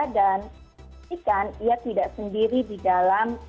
dan jika dia tidak sendiri di dalam